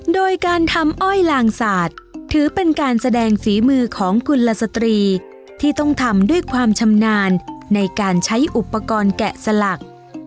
โดยการทำอ้อยลางสาดถือเป็นการแสดงฝีมือของกุลสตรีที่ต้องทำด้วยความชำนาญในการใช้อุปกรณ์แกะสลัก